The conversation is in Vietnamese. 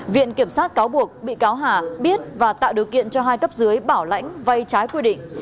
viện kiểm sát cáo buộc bị cáo hà biết và tạo điều kiện cho hai cấp dưới bảo lãnh vay trái quy định